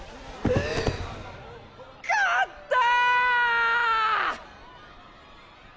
勝った！